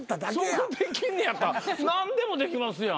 それできんやったら何でもできますやん。